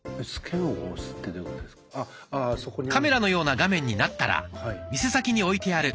カメラのような画面になったら店先に置いてある